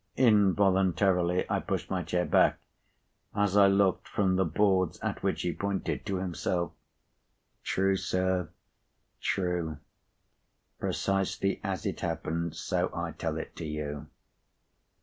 Involuntarily, I pushed my chair back, as I looked from the boards at which he pointed, to himself. "True, sir. True. Precisely as it happened, so I tell it you."